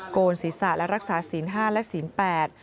โกนศีรษะและรักษาศีลห้าและศีลแปด